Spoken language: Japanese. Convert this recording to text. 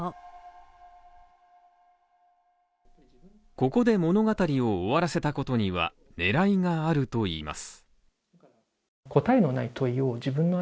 ここで物語を終わらせたことには狙いがあるといいます。